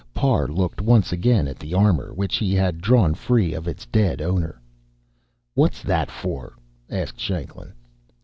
Parr looked once again at the armor, which he had drawn free of its dead owner. "What's that for?" asked Shanklin.